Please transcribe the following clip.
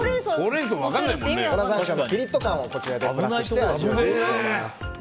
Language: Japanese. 粉山椒のピリッと感をこちらでプラスして味付けしていきます。